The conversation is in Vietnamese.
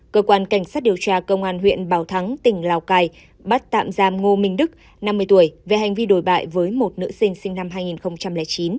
cơ quan cảnh sát điều tra công an huyện bảo thắng tỉnh lào cai bắt tạm giam ngô minh đức năm mươi tuổi về hành vi đổi bại với một nữ sinh năm hai nghìn chín